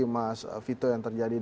mas vito yang terjadi